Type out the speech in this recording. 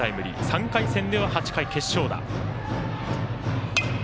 ３回戦では８回、決勝打。